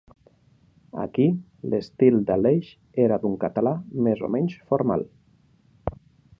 Aquí l'estil d'Aleix era d'un català més o menys formal.